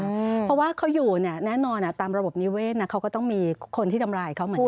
เพราะว่าเขาอยู่เนี่ยแน่นอนตามระบบนิเวศเขาก็ต้องมีคนที่ทำร้ายเขาเหมือนกัน